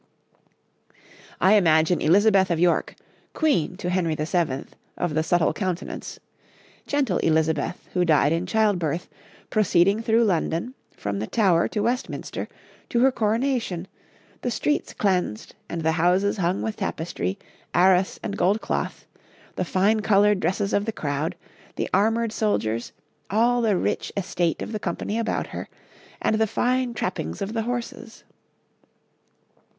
I imagine Elizabeth of York, Queen to Henry VII., of the subtle countenance gentle Elizabeth, who died in child birth proceeding through London, from the Tower to Westminster, to her coronation; the streets cleansed and the houses hung with tapestry, arras and gold cloth, the fine coloured dresses of the crowd, the armoured soldiers, all the rich estate of the company about her, and the fine trappings of the horses.